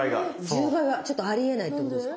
１０倍はちょっとありえないってことですか？